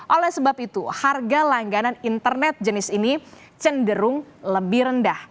oleh sebab itu harga langganan internet jenis ini cenderung lebih rendah